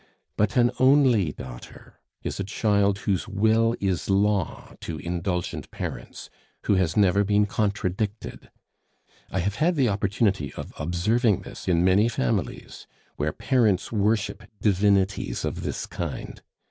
But an only daughter is a child whose will is law to indulgent parents, who has never been contradicted. I have had the opportunity of observing this in many families, where parents worship divinities of this kind.